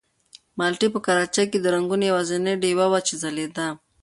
مالټې په کراچۍ کې د رنګونو یوازینۍ ډېوه وه چې ځلېده.